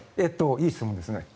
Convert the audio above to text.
いい質問ですね。